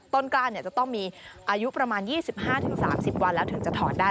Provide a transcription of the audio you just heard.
กล้าจะต้องมีอายุประมาณ๒๕๓๐วันแล้วถึงจะถอดได้